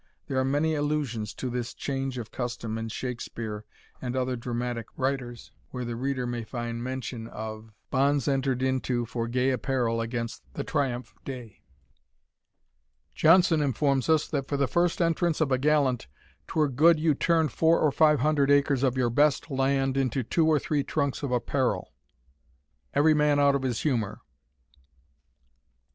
There are many allusions to this change of custom in Shakspeare and other dramatic writers, where the reader may find mention made of "Bonds enter'd into For gay apparel against the triumph day." Jonson informs us, that for the first entrance of a gallant, "'twere good you turned four or five hundred acres of your best land into two or three trunks of apparel." _Every Man out of his Humour.